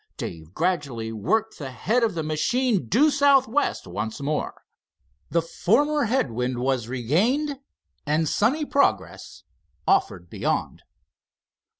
Dave gradually worked the head of the machine due southwest once more. The former head wind was regained, and sunny progress offered beyond.